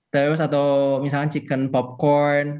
taws atau misalnya chicken popcorn